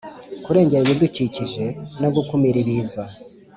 kurengera ibidukikije no gukumira Ibiza